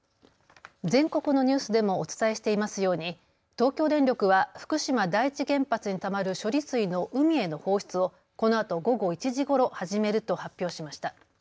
全国のニュースでもお伝えしていますように東京電力は福島第一原発にたまる処理水の海への放出をこのあと午後１時ごろ始めると発表しました。